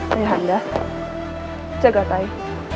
tehanda jaga tayu